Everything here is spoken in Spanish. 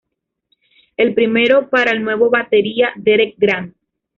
El primero para el nuevo batería Derek Grant.